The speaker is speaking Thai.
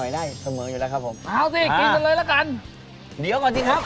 ได้เสมออยู่แล้วครับผมเอาสิกินกันเลยละกันเดี๋ยวก่อนสิครับ